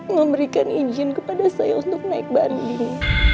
memberikan izin kepada saya untuk naik banding